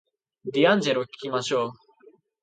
ディアンジェロを聞きましょう